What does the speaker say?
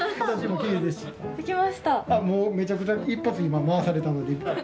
めちゃくちゃ一発今回されたので。